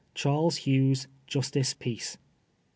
Charles Hughes, Justice Peace.